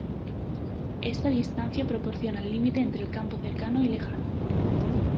Esta distancia proporciona el límite entre el campo cercano y lejano.